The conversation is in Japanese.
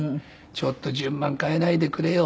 「ちょっと順番変えないでくれよ」